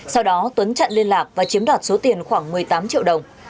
sau đó tuấn chặn liên lạc và chiếm đoạt số tiền khoảng một mươi tám triệu đồng